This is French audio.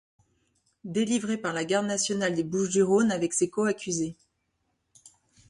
Délivré par la Garde Nationale des Bouches-du-Rhône avec ses coaccusés.